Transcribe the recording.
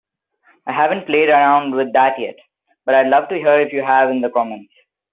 I haven't played around with that yet, but I'd love to hear if you have in the comments.